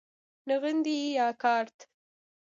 نغدی یا کارت؟